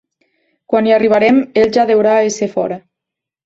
Quan hi arribarem ell ja deurà ésser fora.